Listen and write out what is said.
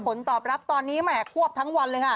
ผลตอบรับตอนนี้แหมควบทั้งวันเลยค่ะ